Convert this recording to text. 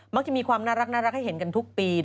จะมีความน่ารักให้เห็นกันทุกปี